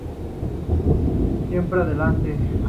Siempre Adelante.